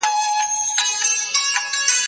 زه به سبا ځواب ليکم!.